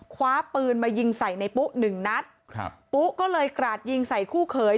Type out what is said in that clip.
คว้าปืนมายิงใส่ในปุ๊หนึ่งนัดครับปุ๊ก็เลยกราดยิงใส่คู่เขย